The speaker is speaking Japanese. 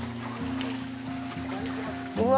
うわ。